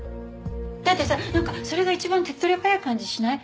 だってさ何かそれが一番手っとり早い感じしない？